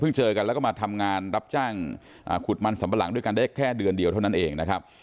เจอกันแล้วก็มาทำงานรับจ้างขุดมันสัมปะหลังด้วยกันได้แค่เดือนเดียวเท่านั้นเองนะครับ